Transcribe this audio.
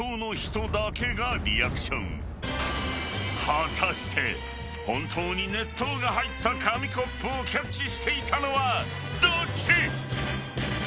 ［果たして本当に熱湯が入った紙コップをキャッチしていたのはどっち？］